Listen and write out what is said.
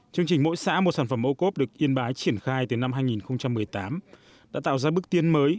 chương trình mỗi xã một sản phẩm ocov được yên bái triển khai từ năm hai nghìn một mươi tám đã tạo ra bước tiên mới